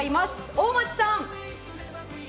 大町さん。